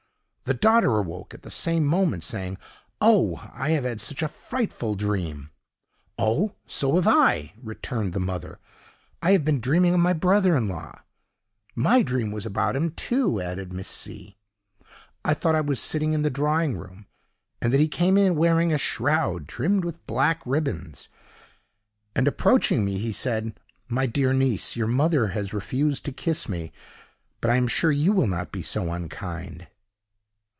The daughter awoke at the same moment, saying, "Oh, I have had such a frightful dream!" "Oh, so have I!" returned the mother; "I have been dreaming of my brother in law!"—"My dream was about him, too," added Miss C——. "I thought I was sitting in the drawing room, and that he came in wearing a shroud, trimmed with black ribands, and, approaching me, he said: 'My dear niece, your mother has refused to kiss me, but I am sure you will not be so unkind!